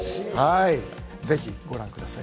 ぜひご覧ください。